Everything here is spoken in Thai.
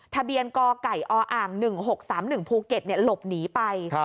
ทะเบียนกไก่ออ๑๖๓๑ภูเก็ตหลบหนีไป